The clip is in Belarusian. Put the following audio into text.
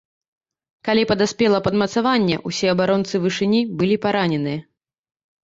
Калі падаспела падмацаванне, усе абаронцы вышыні былі параненыя.